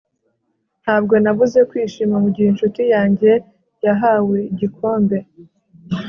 ntabwo nabuze kwishima mugihe inshuti yanjye yahawe igikombe